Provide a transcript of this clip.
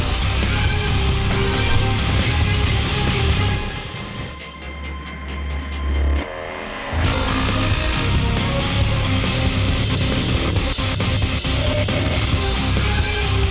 udah selesai saksima sama durian tak